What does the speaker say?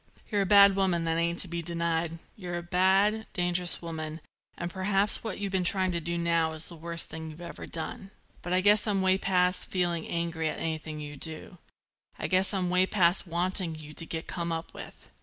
"You're a bad woman; that ain't to be denied. You're a bad, dangerous woman, and perhaps what you've been trying to do now is the worst thing you've ever done. But I guess I'm way past feeling angry at anything you do. I guess I'm way past wanting you to get come up with.